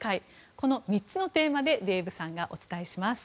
この３つのテーマでデーブさんがお伝えします。